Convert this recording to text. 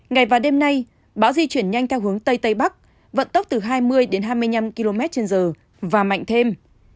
ngày và đêm nay bão di chuyển nhanh theo hướng tây tây bắc vận tốc từ hai mươi đến hai mươi năm km trên giờ và mạnh thêm